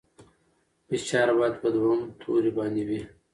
فشار باید په دویم توري باندې وي.